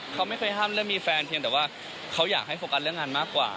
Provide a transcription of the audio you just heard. เขาไม่เคยห้ามเรื่องมีแฟนเพียงแต่ว่าเขาอยากให้โฟกัสเรื่องงานมากกว่า